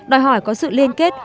đòi hỏi có sự liên kết